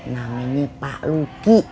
namanya pak luki